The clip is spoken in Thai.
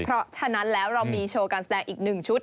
เพราะฉะนั้นแล้วเรามีโชว์การแสดงอีก๑ชุด